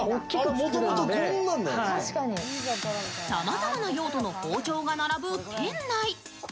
さまざまな用途の包丁が並ぶ店内。